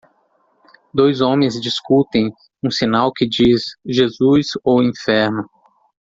Dois homens discutem um sinal que diz Jesus ou Inferno.